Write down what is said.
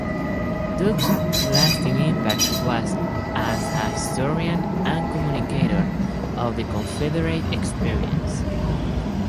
Duke's lasting impact was as a historian and communicator of the Confederate experience.